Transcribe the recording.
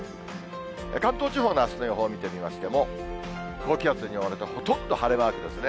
関東地方のあすの予報を見てみましても、高気圧に覆われて、ほとんど晴れマークですね。